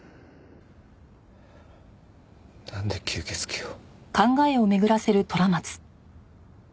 なんで吸血鬼を？